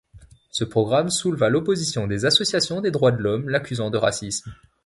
Ce programme souleva l'opposition des associations des droits de l'homme, l'accusant de racisme.